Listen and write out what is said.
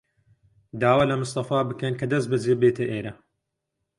داوا لە مستەفا بکەن کە دەستبەجێ بێتە ئێرە.